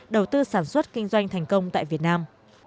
đầu tư sản xuất kinh doanh thành công tại việt nam